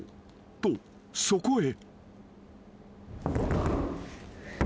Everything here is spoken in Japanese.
とそこへ］